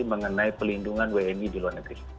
mengenai pelindungan wni di luar negeri